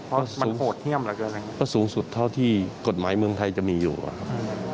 เพราะมันโหดเยี่ยมเหลือเกินนะครับก็สูงสุดเท่าที่กฎหมายเมืองไทยจะมีอยู่อะครับ